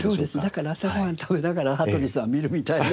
だから朝ご飯を食べながら羽鳥さんを見るみたいな。